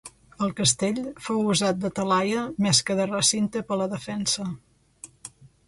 El castell fou usat de talaia més que de recinte per a la defensa.